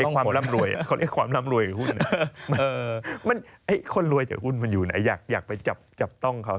ความร่ำรวยเขาเรียกความร่ำรวยกับหุ้นคนรวยจากหุ้นมันอยู่ไหนอยากไปจับต้องเขา